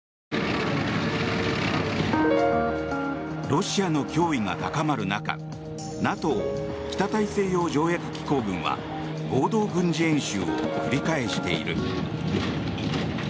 ロシアの脅威が高まる中ＮＡＴＯ・北大西洋条約機構軍は合同軍事演習を繰り返している。